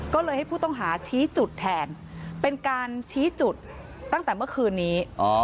ก็เลยให้ผู้ต้องหาชี้จุดแทนเป็นการชี้จุดตั้งแต่เมื่อคืนนี้